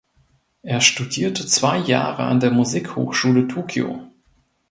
Er studierte zwei Jahre an der Musikhochschule Tokio.